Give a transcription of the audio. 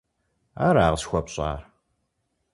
- Ара къысхуэпщӏар?